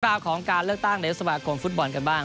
ราวของการเลือกตั้งในสมาคมฟุตบอลกันบ้าง